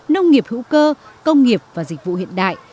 nông nghiệp hữu cơ công nghiệp và dịch vụ hiện đại